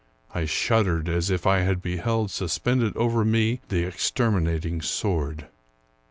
I shuddered as if I had beheld suspended over me the exterminating sword.